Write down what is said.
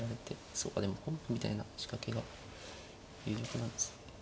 そうかでも本譜みたいな仕掛けが有力なんですね。